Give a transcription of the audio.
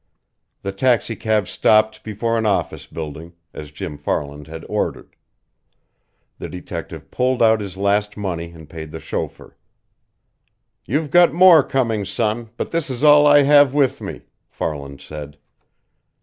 The taxicab stopped before an office building, as Jim Farland had ordered. The detective pulled out his last money and paid the chauffeur. "You're got more coming, son, but this is all I have with me," Farland said.